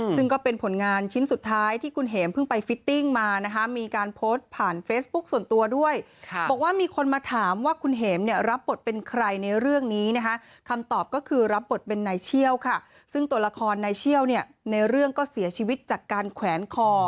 ซึ่งตัวละครในเชี่ยวในเรื่องก็เสียชีวิตจากการแขวนคอ